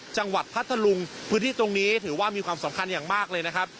พัทธลุงพื้นที่ตรงนี้ถือว่ามีความสำคัญอย่างมากเลยนะครับ